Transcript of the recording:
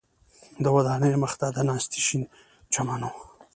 د ودانیو مخ ته د ناستي شین چمن و.